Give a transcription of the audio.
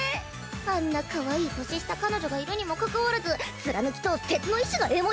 あんなかわいい年下彼女がいるにもかかわらず貫き通す鉄の意志がエモいっス。